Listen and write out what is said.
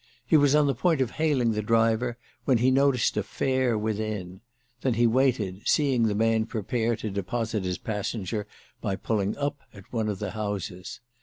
He was on the point of hailing the driver when he noticed a "fare" within; then he waited, seeing the man prepare to deposit his passenger by pulling up at one of the houses.